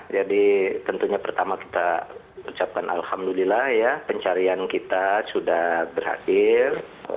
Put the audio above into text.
jadi tentunya pertama kita ucapkan alhamdulillah ya pencarian kita sudah berhasil